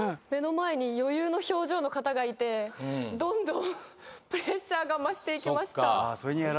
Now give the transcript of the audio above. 目の前に余裕の表情の方がいてどんどんプレッシャーが増していきました。